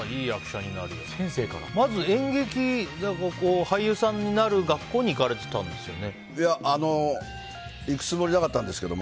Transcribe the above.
まず演劇俳優さんになる学校に行かれてたんですよね。